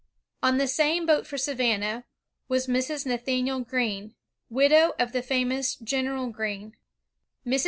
On the sanys boat for Savannah, was Mrs. Nathanael Greene, widow of the famous General Greene. Mrs.